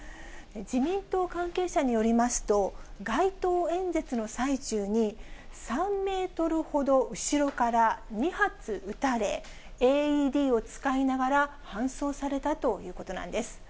自民党関係者によりますと、街頭演説の最中に、３メートルほど後ろから２発撃たれ、ＡＥＤを使いながら搬送されたということなんです。